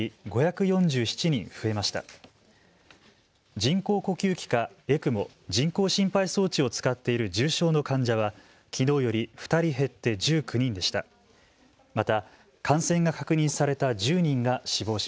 人工呼吸器かＥＣＭＯ・人工心肺装置を使っている重症の患者はきのうより２人減って１９人でした。